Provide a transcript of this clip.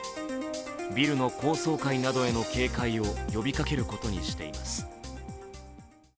ビルの高層階などへの警戒を呼びかけることにしています。